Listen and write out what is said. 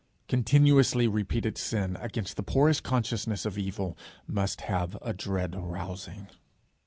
Continuously repeated sin against the poorest consciousness of evil must have a dread rousing.